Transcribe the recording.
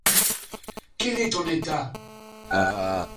Quel est ton état?